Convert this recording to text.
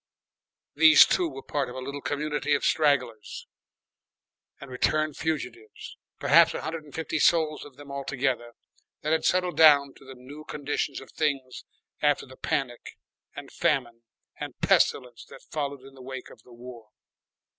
These two were part of a little community of stragglers and returned fugitives, perhaps a hundred and fifty souls of them all together, that had settled down to the new conditions of things after the Panic and Famine and Pestilence that followed in the wake of the War.